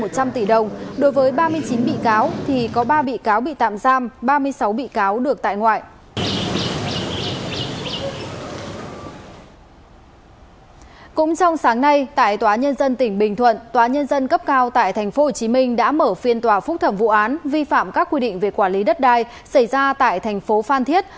cũng trong sáng nay tại tòa nhân dân tỉnh bình thuận tòa nhân dân cấp cao tại tp hcm đã mở phiên tòa phúc thẩm vụ án vi phạm các quy định về quản lý đất đai xảy ra tại tp phan thiết